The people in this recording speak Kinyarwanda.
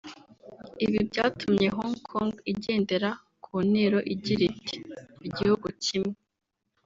Ibi byatumye Hong Kong igendera ku ntero igira iti “Igihugu Kimwe